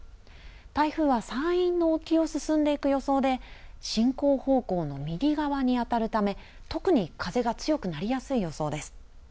台風は山陰の沖を進んでいく予想で、進行方向の右側に当たるため、特に風が強くなりやすい予想です。